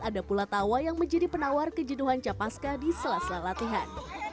ada pula tawa yang menjadi penawar kejenuhan capaska di sela sela latihan